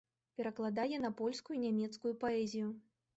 Перакладае на польскую нямецкую паэзію.